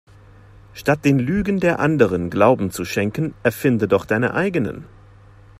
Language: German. Statt den Lügen der Anderen Glauben zu schenken erfinde doch deine eigenen.